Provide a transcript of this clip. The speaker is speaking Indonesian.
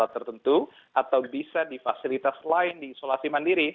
tertentu atau bisa di fasilitas lain di isolasi mandiri